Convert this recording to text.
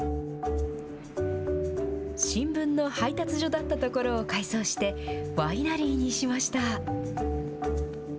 新聞の配達所だった所を改装して、ワイナリーにしました。